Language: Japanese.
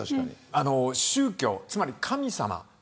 宗教、つまり神様。